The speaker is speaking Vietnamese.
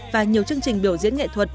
và nhiều chương trình biểu diễn nghệ thuật